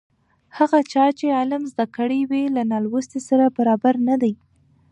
هغه چا چې علم زده کړی وي له نالوستي سره برابر نه دی.